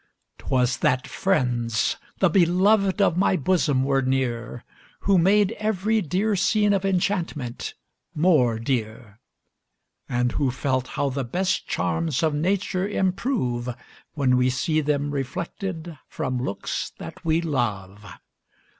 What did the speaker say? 'Twas that friends, the beloved of my bosom, were near, Who made every dear scene of enchantment more dear, And who felt how the best charms of nature improve, When we see them reflected from looks that we love.